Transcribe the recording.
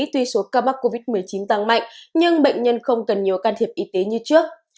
tuy số ca mắc covid một mươi chín tăng mạnh nhưng bệnh nhân không cần nhiều can thiệp y tế như trước